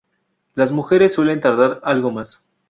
Las mujeres suelen tardar algo más.